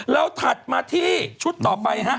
แล้วถัดมาที่ชุดต่อไปฮะ